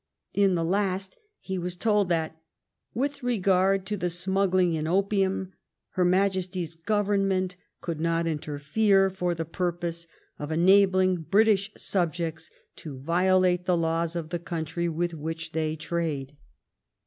In the last he was told that *' with regard to the smuggling in opium ... Her Majesty's Government could not interfere for the purpose of enabling British subjects to violate the laws of the country with which they trade."